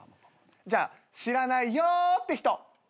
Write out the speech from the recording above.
じゃあ知らないよって人。